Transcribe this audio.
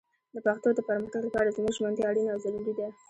د پښتو د پرمختګ لپاره زموږ ژمنتيا اړينه او ضروري ده